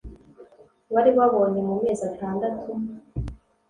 wari wabonye mu mezi atandatu